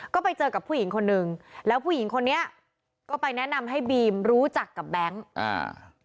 ก็ไปเจอกับผู้หญิงคนนึงแล้วผู้หญิงคนนี้ก็ไปแนะนำให้บีมรู้จักกับแบงค์อ่า